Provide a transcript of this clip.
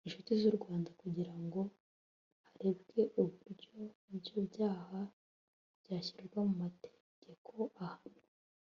inshuti z u rwanda kugira ngo harebwe uburyo ibyo byaha byashyirwa mu mategeko ahana